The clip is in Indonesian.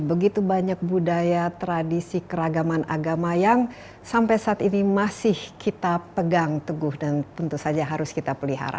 begitu banyak budaya tradisi keragaman agama yang sampai saat ini masih kita pegang teguh dan tentu saja harus kita pelihara